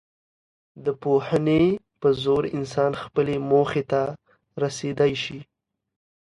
د پوهني په زور انسان خپلي موخې ته رسېدی سي.